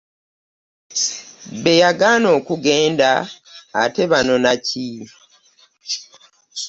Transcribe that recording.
Be yagaana okugenda ate baanona ki?